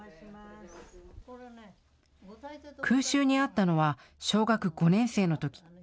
空襲に遭ったのは小学５年生のとき。